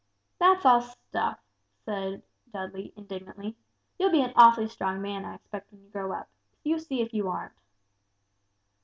"That's all stuff," said Dudley, indignantly; "you'll be an awfully strong man I expect when you grow up, you see if you aren't!"